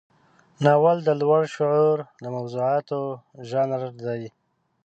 ناول د لوړ شعور د موضوعاتو ژانر دی.